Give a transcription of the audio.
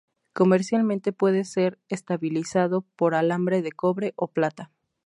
Comercialmente puede ser estabilizado por alambre de cobre o plata.